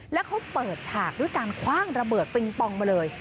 แล้วเขาเปิดฉากด้วยการคว่างระเบิดปิงปองมาเลย